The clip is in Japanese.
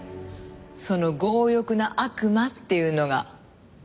その「強欲な悪魔」っていうのが私？